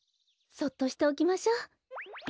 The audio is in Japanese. そっとしておきましょ。